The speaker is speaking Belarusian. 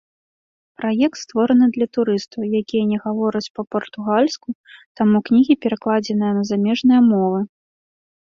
Праект створаны для турыстаў, якія не гавораць па-партугальску, таму кнігі перакладзеныя на замежныя мовы.